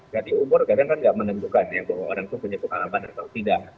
jadi umur kadang kan gak menentukan ya bahwa orang itu punya pengalaman atau tidak